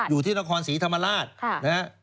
อยู่ที่ตรงนครศรีธรรมราช